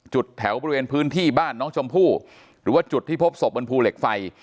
จุดแถวบริเวณพื้นที่บ้านน้องชมพู่หรือว่าจุดที่พบศพบนภูเหล็กไฟ